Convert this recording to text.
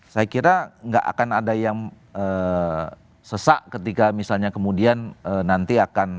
saya kira nggak akan ada yang sesak ketika misalnya kemudian nanti akan